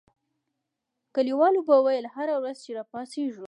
کلیوالو به ویل هره ورځ چې را پاڅېږو.